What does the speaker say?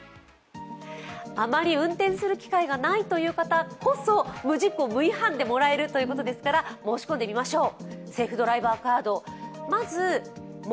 あまり運転する機会がないという方こそ無事故・無違反でもらえるということですから申し込んでみましょう。